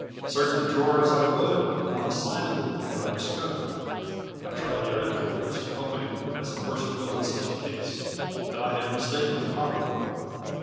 Search the drawer as I would, not a sign of them could I discover. I tried the other drawers, hoping, as a person will in such a case, that I had mistaken the proper one.